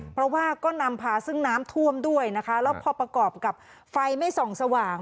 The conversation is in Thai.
เพราะว่าก็นำพาซึ่งน้ำท่วมด้วยนะคะแล้วพอประกอบกับไฟไม่ส่องสว่าง